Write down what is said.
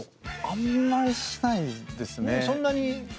あんまりしないですね。